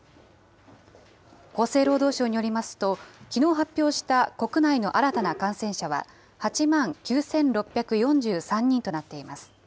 厚生労働省によりますと、きのう発表した国内の新たな感染者は、８万９６４３人となっています。